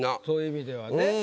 そういう意味ではね。